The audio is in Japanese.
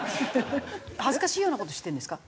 恥ずかしいような事してるんですか？